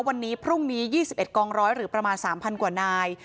วันนี้พรุ่งนี้ยี่สิบเอ็ดกองร้อยหรือประมาณสามพันกว่านาย